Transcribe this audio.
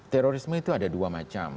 terorisme itu ada dua macam